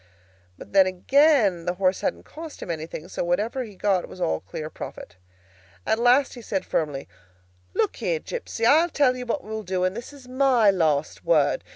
But then, again, the horse hadn't cost him anything; so whatever he got was all clear profit. At last he said firmly, "Look here, gipsy! I tell you what we will do; and this is my last word.